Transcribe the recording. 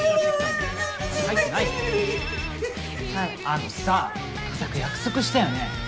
あのさ固く約束したよね？